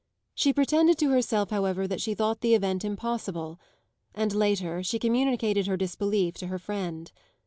She pretended to herself, however, that she thought the event impossible, and, later, she communicated her disbelief to her friend.